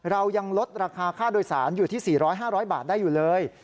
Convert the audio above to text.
เรายังลดราคาค่าโดยสารอยู่ที่๔๐๐๕๐๐บาทได้อยู่เลย